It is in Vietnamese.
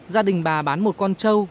gia đình bà bán một con trâu